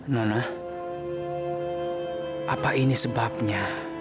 nona apa ini sebabnya